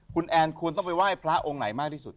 คุณแอนควรต้องไปไหว้พระองค์ไหนมากที่สุด